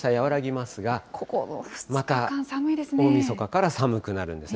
また大みそかから寒くなるんですね。